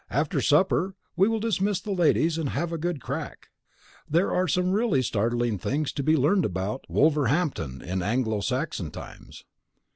After supper we will dismiss the ladies and have a good crack. There are some really startling things to be learned about Wolverhampton in Anglo Saxon times.